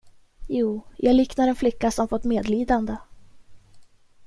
Jo, jag liknar en flicka som fått medlidande.